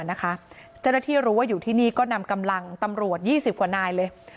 เจ้าหน้าที่รู้ว่าอยู่ที่นี่ก็นำกำลังตำรวจ๒๐กว่านายเลย